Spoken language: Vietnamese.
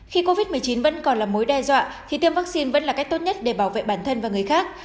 khi covid một mươi chín vẫn còn là mối đe dọa thì tiêm vaccine vẫn là cách tốt nhất để bảo vệ bản thân và người khác